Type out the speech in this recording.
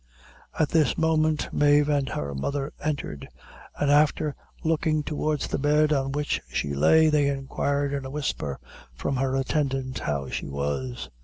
At this moment Mave and her mother entered, and after looking towards the bed on which she lay, they inquired in a whisper, from her attendant how she was.